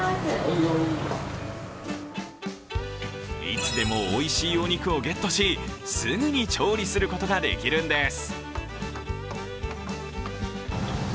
いつでもおいしいお肉をゲットし、すぐに調理することができるんです。